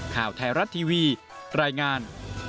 ข่าวไทยรัฐทีวีรายงาน